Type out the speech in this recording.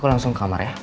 kita langsung ke kamar ya